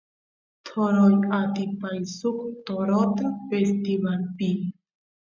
toroy atipay suk torota festivalpi